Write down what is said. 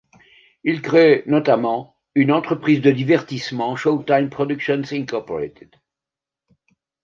Il crée notamment une entreprise de divertissement Showtime Productions Inc.